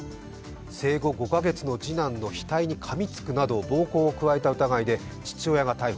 生後５か月の次男の額にかみつくなど、暴行を加えた疑いで父親が逮捕。